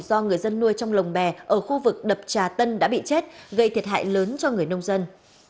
do người dân nuôi trong lồng bè ở khu vực đập trà tân đã bị chết gây thiệt hại lớn cho người nông dân